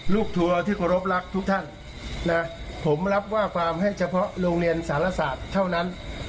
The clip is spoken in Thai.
ทัวร์ที่เคารพรักทุกท่านนะผมรับว่าฟาร์มให้เฉพาะโรงเรียนสารศาสตร์เท่านั้น